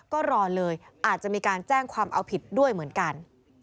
ก็รอเลยอาจจะมีการแจ้งความเอาผิดด้วยเหมือนกัน